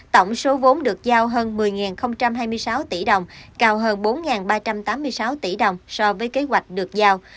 tổng số vốn được giao hơn một mươi hai mươi sáu tỷ đồng cao hơn bốn ba trăm tám mươi sáu tỷ đồng so với kế hoạch được giao